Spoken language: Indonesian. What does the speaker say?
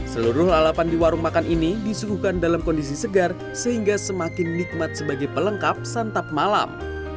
seluruh lalapan di warung makan ini disuguhkan dalam kondisi segar sehingga semakin nikmat sebagai pelengkap santap malam